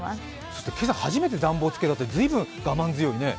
今朝初めて暖房つけたってて、随分我慢強いね。